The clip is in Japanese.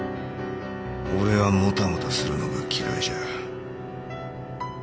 俺はもたもたするのが嫌いじゃ。